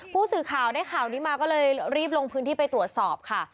ผู้สื่อข่าวได้ข่าวนี้มาก็เลยรีบลงพื้นที่ไปตรวจสอบค่ะ